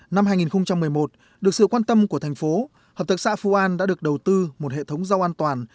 năm hai nghìn một mươi một được sự quan tâm của thành phố hợp tác xã phú an đã được đầu tư một hệ thống rau an toàn